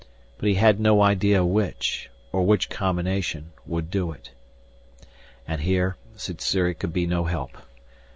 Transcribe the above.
But he had no idea which, or which combination, would do it. And here Sssuri could be no help.